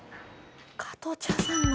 「加藤茶さんの」